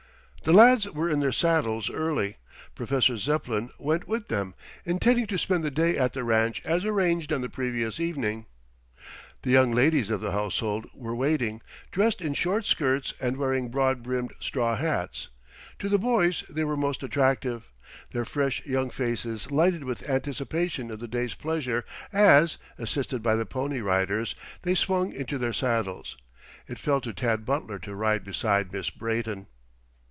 The lads were in their saddles early. Professor Zepplin went with them, intending to spend the day at the ranch as arranged on the previous evening. The young ladies of the household were waiting, dressed in short skirts and wearing broad brimmed straw hats. To the boys they were most attractive. Their fresh young faces lighted with anticipation of the day's pleasure as, assisted by the Pony Riders, they swung into their saddles. It fell to Tad Butler to ride beside Miss Brayton.